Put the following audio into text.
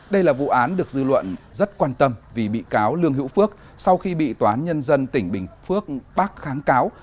đây là vụ án được dư luận rất quan tâm vì bị cáo lương hữu phước sau khi bị tòa án nhân dân tỉnh bình phước bác kháng cáo